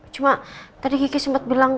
cuma tadi gigi sempet bilang